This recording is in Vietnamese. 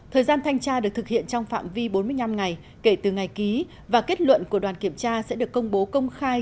thời gian thanh tra được thực hiện trong phạm vi bốn mươi năm ngày kể từ ngày ký và kết luận của đoàn kiểm tra sẽ được công bố công khai